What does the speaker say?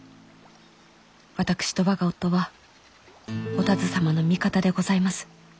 私と我が夫はお田鶴様の味方でございます。